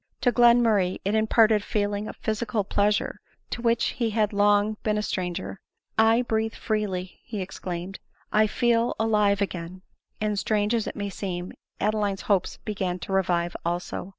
To Glenmurray it imparted a feeling of physical pleasure, to which he had long been a stranger; "I breath freely," he exclaimed, " I feel alive again !"— and, strange as it may seem, Adeline's hopes began to revive also.